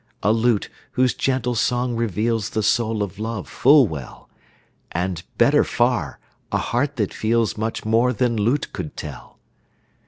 A lute whose gentle song reveals The soul of love full well; And, better far, a heart that feels Much more than lute could tell.